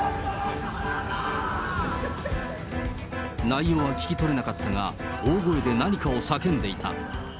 内容は聞き取れなかったが、大声で何かを叫んでいた。